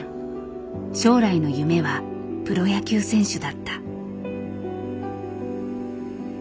将来の夢はプロ野球選手だった。